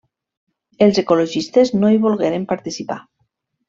Els ecologistes no hi volgueren participar.